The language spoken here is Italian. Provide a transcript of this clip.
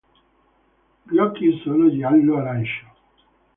Gli occhi sono giallo-arancio.